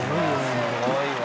すごいわ。